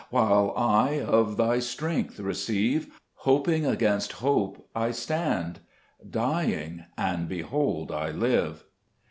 While I of Thy strength receive, Hoping against hope I stand, Dying, and behold I live